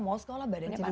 mau sekolah badannya panas